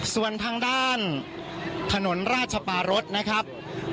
ส่วนทางด้านถนนราชปารสนะครับ